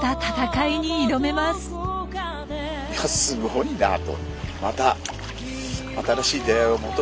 いやすごいなと。